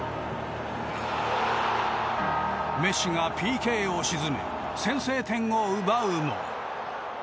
メッシがＰＫを沈め先制点を奪うも。